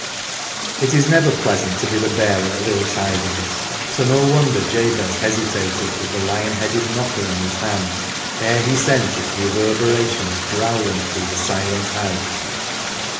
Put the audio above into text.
It is never pleasant to be the bearer of ill tidings, so no wonder Jabez hesitated with the lion headed knocker in his hand ere he sent its reverberations growling through the silent house.